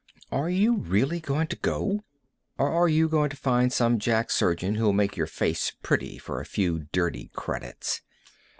"Are you really going to go? Or are you going to find some jack surgeon who'll make your face pretty for a few dirty credits?"